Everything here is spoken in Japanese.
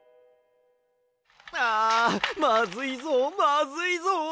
あまずいぞまずいぞ！